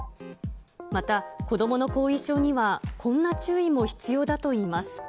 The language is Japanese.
また、子どもの後遺症にはこんな注意も必要だといいます。